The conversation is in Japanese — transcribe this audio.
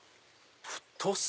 太さ